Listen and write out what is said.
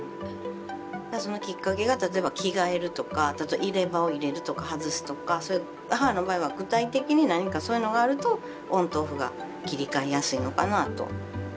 そのきっかけが例えば着替えるとか入れ歯を入れるとか外すとかそういう母の場合は具体的に何かそういうのがあるとオンとオフが切り替えやすいのかなと。